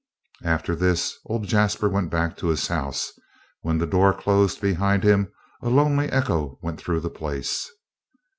After this old Jasper went back to his house, and when the door closed behind him a lonely echo went through the place.